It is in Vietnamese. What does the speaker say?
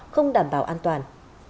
không đảm bảo an toàn